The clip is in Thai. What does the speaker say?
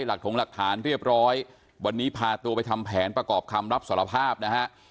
ถงหลักฐานเรียบร้อยวันนี้พาตัวไปทำแผนประกอบคำรับสารภาพนะฮะ